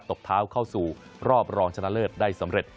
บเท้าเข้าสู่รอบรองชนะเลิศได้สำเร็จ